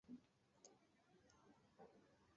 所有其他放射性同位素的半衰期均小于数分钟。